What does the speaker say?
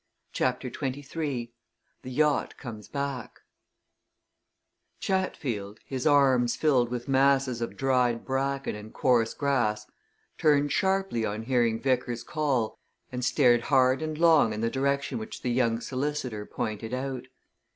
CHAPTER XXIII THE YACHT COMES BACK Chatfield, his arms filled with masses of dried bracken and coarse grass, turned sharply on hearing Vickers's call and stared hard and long in the direction which the young solicitor pointed out.